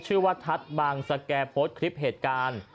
ว่าทัศน์บางสแก่โพสต์คลิปเหตุการณ์